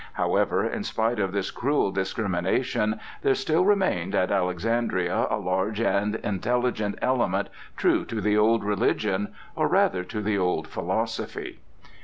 However, in spite of this cruel discrimination there still remained at Alexandria a large and intelligent element true to the old religion, or rather to the old philosophy.